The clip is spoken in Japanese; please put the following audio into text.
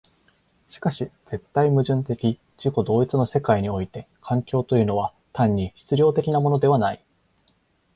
しかし絶対矛盾的自己同一の世界において環境というのは単に質料的なものではない。